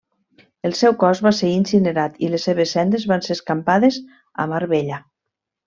El seu cos va ser incinerat i les seves cendres van ser escampades a Marbella.